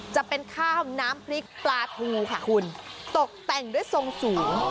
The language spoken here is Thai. จะเป็นข้าวน้ำพริกปลาทูค่ะคุณตกแต่งด้วยทรงสูง